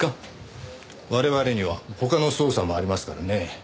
我々には他の捜査もありますからね。